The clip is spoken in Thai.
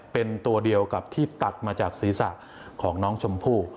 เป็นตัวเดียวกับที่ตัดมาจากศีรษะของน้องชมพู่